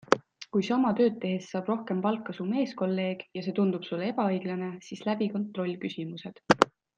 Kui sama tööd tehes saab rohkem palka su meeskolleeg, ja see tundub sulle ebaõiglane, siis läbi kontrollküsimused.